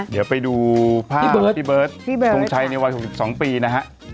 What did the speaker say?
เดี๋ยวไปดูภาพพี่เบิร์ตทงชัยในวัย๖๒ปีนะฮะ